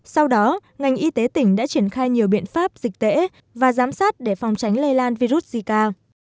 sau đó ngành y tế tỉnh đã triển khai nhiều biện pháp dịch tễ và giám sát để phòng tránh lây lan virus zika